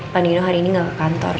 panino hari ini gak ke kantor